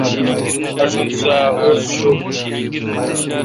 آݭم سوا اوز شوکھ۔